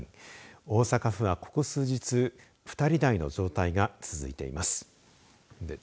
大阪府は、ここ数日２人台の状態が続いています。